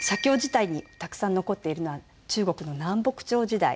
たくさん残っているのは中国の南北朝時代